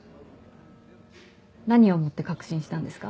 何をもって確信したんですか？